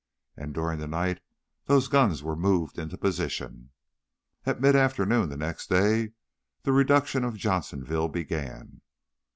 And during the night those guns were moved into position. At midafternoon the next day the reduction of Johnsonville began.